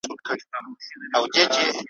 ښار له مځکي سره سم دی هدیره ده ,